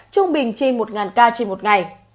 trung bình trên một ca trên một ngày